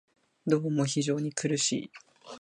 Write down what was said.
どうも非常に苦しい